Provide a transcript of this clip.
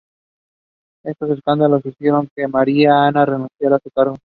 Estos escándalos, hicieron que María Ana renunciará a su cargo.